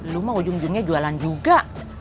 lu mau jung jungnya jualan juga